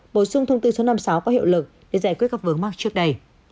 bổ sung thông tư số năm mươi sáu có hiệu lực để giải quyết các vướng mắc trước đây